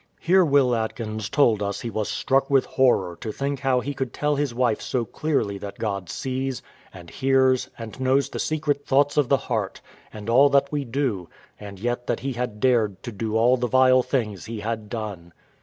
[Here Will Atkins told us he was struck with horror to think how he could tell his wife so clearly that God sees, and hears, and knows the secret thoughts of the heart, and all that we do, and yet that he had dared to do all the vile things he had done.